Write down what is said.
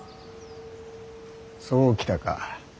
そう来たか。